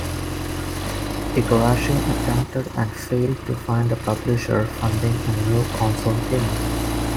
Igarashi attempted and failed to find a publisher funding a new console game.